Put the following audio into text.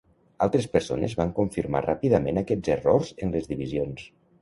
Altres persones van confirmar ràpidament aquests errors en les divisions.